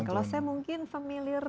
kalau saya mungkin familiar